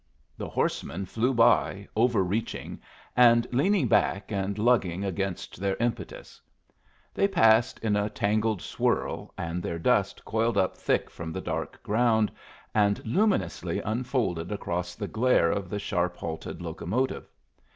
The horsemen flew by, overreaching, and leaning back and lugging against their impetus. They passed in a tangled swirl, and their dust coiled up thick from the dark ground and luminously unfolded across the glare of the sharp halted locomotive.